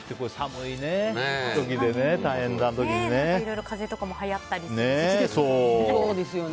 いろいろ風邪とかもはやったりしますよね。